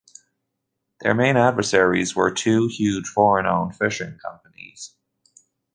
Their main adversaries were two, huge, foreign-owned fishing companies.